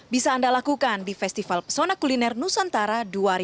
bisa anda lakukan di festival pesona kuliner nusantara dua ribu dua puluh